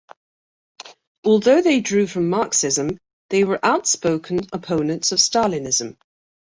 Although they drew from Marxism, they were outspoken opponents of Stalinism.